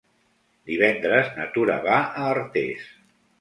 Divendres na Tura va a Artés.